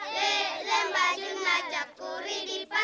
jodoh baik jodoh tamat dikoko